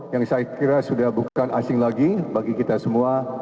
yang saya kira sudah bukan asing lagi bagi kita semua